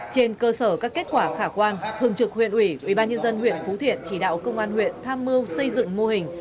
trên cơ sở các kết quả khả quan thường trực huyện ủy ubnd huyện phú thiện chỉ đạo công an huyện tham mưu xây dựng mô hình